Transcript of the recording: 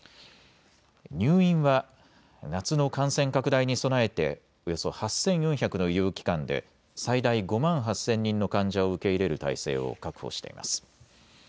入院は夏の感染拡大に備えておよそ８４００の医療機関で最大５万８０００人の患者を受け入れる体制を確保しています。